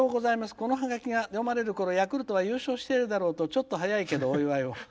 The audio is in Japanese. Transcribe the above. このはがきが読まれるころヤクルトは優勝しているだろうとちょっと早いけど、お祝いを」。